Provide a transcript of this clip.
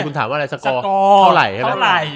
สกอเท่าไหร่